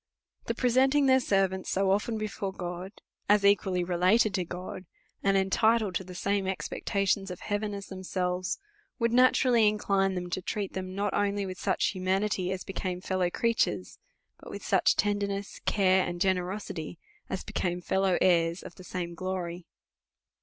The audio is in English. The presenting their servants so often before God, as equally related to God, and enti tled to the same expectations of heaven as themselves, would naturally incline them to treat them, not only with such humanity as became fellow creatures, but with such tenderness, care, and generosity, as became fellow heirs of the same glory.